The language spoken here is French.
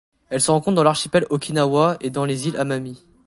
Elle se rencontre dans l'archipel Okinawa et dans les îles Amami.